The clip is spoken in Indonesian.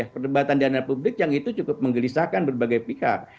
perdebatan di ana publik yang itu cukup menggelisahkan berbagai pihak